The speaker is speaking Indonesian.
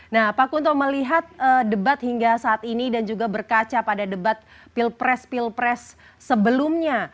nah pak kunto melihat debat hingga saat ini dan juga berkaca pada debat pilpres pilpres sebelumnya